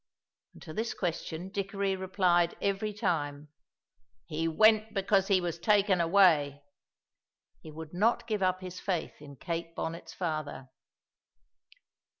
And to this question Dickory replied every time: "He went because he was taken away." He would not give up his faith in Kate Bonnet's father.